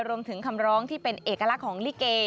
คำร้องที่เป็นเอกลักษณ์ของลิเก